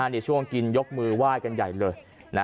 ในช่วงกินยกมือไหว้กันใหญ่เลย